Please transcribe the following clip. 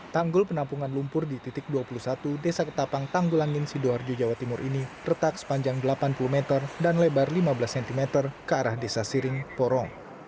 tanggul penampungan lumpur di titik dua puluh satu desa ketapang tanggulangin sidoarjo jawa timur ini retak sepanjang delapan puluh meter dan lebar lima belas cm ke arah desa siring porong